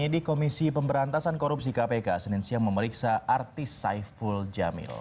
di komisi pemberantasan korupsi kpk senin siang memeriksa artis saiful jamil